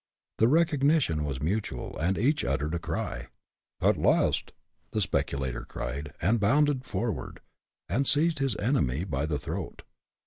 The recognition was mutual, and each uttered a cry. "At last!" the speculator cried, and he bounded forward, and seized his enemy by the throat.